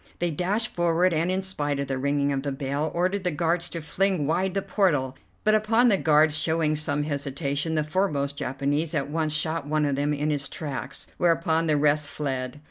They dashed forward, and, in spite of the ringing of the bell, ordered the guards to fling wide the portal, but upon the guards showing some hesitation, the foremost Japanese at once shot one of them in his tracks, whereupon the rest fled.